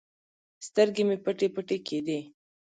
سترګې مې پټې پټې کېدې.